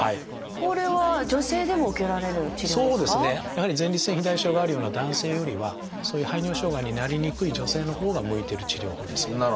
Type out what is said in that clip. やはり前立腺肥大症があるような男性よりはそういう排尿障害になりにくい女性のほうが向いてる治療法です。